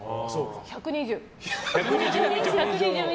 １２０み